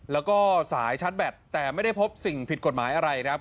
แล้วก็ฝายชัตเป็ดได้แต่ไม่ได้พบสิ่งผิดกฎหมายอะไรนะครับ